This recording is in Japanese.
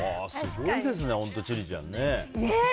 すごいですね、本当に千里ちゃん。